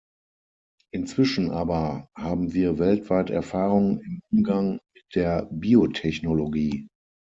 Inzwischen aber haben wir weltweit Erfahrung im Umgang mit der Biotechnologie.